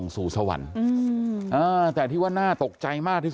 พ่อขออนุญาต